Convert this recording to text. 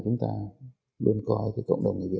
chúng ta học được gì đây